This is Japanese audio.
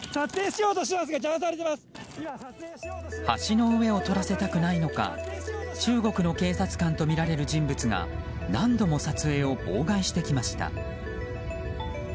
橋の上を撮らせたくないのか中国の警察官とみられる人物が何度も撮影を妨害してきました。